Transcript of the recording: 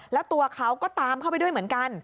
แล้วตัวเขาก็ตามเข้าไปด้วยเหมือนกัน